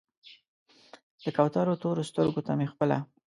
د کوترو تورو سترګو ته مې خپله